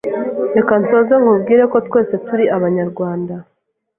Reka nsoze nkubwira ko twese turi abanyarwanda